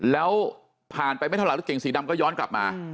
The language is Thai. แล้วผ่านไปไม่เท่าไหรรถเก่งสีดำก็ย้อนกลับมา